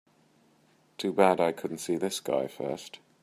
Too bad I couldn't see this guy first.